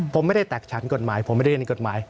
ผมไม่ได้แตกฉันกฎหมายผมไม่ได้ในกฎหมาย